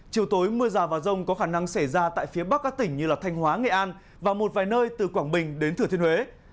chiều tối mưa rào và rông có khả năng xảy ra tại phía bắc các tỉnh như thanh hóa nghệ an và một vài nơi từ quảng bình đến thừa thiên huế